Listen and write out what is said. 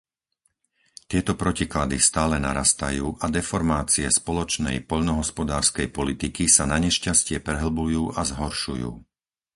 Tieto protiklady stále narastajú a deformácie spoločnej poľnohospodárskej politiky sa nanešťastie prehlbujú a zhoršujú.